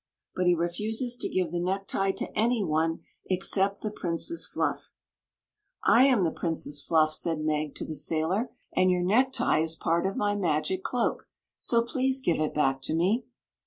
But he refuses to give the necktie to any one except the Princess Fluff." " 1 am the Princess Fluff," said Meg to the sailor; Story of the Magic Cloak 295 "and your necktie is part of my magic cloak. So please give it back to me."